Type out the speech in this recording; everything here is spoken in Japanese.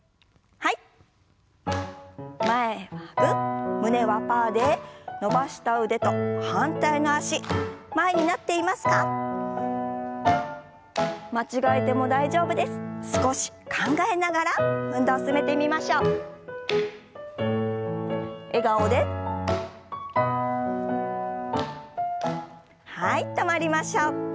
はい止まりましょう。